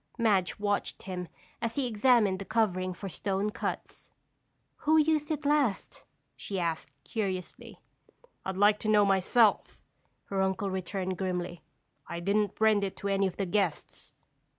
Madge watched him as he examined the covering for stone cuts. "Who used it last?" she asked curiously. "I'd like to know myself," her uncle returned grimly. "I didn't rent it to any of the guests.